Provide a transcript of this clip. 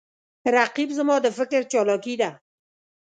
رقیب زما د فکر چالاکي ده